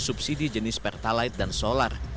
subsidi jenis pertalite dan solar